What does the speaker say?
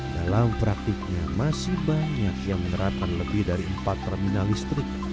dalam praktiknya masih banyak yang menerapkan lebih dari empat terminal listrik